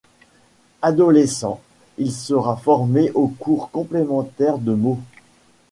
Adolescent, il sera formé au cours complémentaires de Meaux.